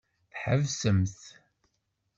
Tḥebsemt.